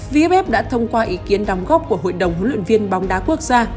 vff đã thông qua ý kiến đóng góp của hội đồng huấn luyện viên bóng đá quốc gia